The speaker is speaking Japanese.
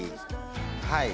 はい。